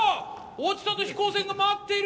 落ちたあと飛行船が回っている。